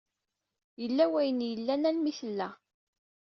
Yella wayen yellan almi tella.